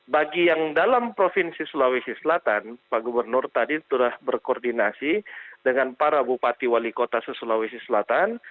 bagi yang dalam provinsi sulawesi selatan pak gubernur tadi sudah berkoordinasi dengan para bupati wali kota se sulawesi selatan